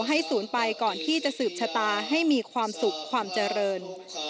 ให้ศูนย์ไปก่อนที่จะสืบชะตาให้มีความสุขความเจริญ